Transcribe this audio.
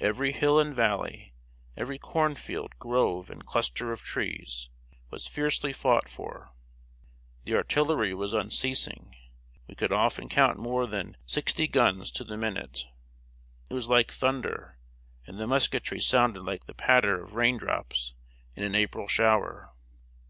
Every hill and valley, every corn field, grove, and cluster of trees, was fiercely fought for. The artillery was unceasing; we could often count more than sixty guns to the minute. It was like thunder; and the musketry sounded like the patter of rain drops in an April shower.